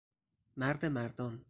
مرد مردان